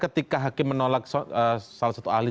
ketika hakim menolak salah satu ahli